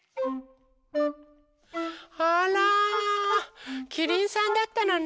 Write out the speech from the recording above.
あらキリンさんだったのね。